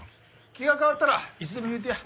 気が変わったらいつでも言うてや。